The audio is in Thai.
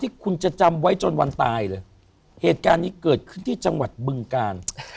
ที่คุณจะจำไว้จนวันตายเลยเหตุการณ์นี้เกิดขึ้นที่จังหวัดบึงกาล